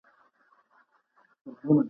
پاته